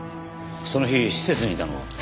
その日施設にいたのは？